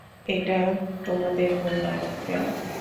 এটা তোমাদের ভুল নয়, বাচ্চারা।